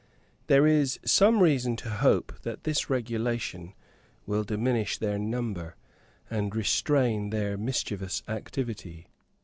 There is some reason to hope that this regulation will diminish their number, and restrain their mischievous activity.